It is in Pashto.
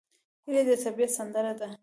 هیلۍ د طبیعت سندره ده